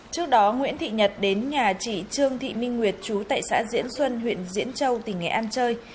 trước đó nguyễn thị nhật đến nhà chị trương thị minh nguyệt chú tại xã diễn xuân huyện diễn châu tỉnh nghệ an chơi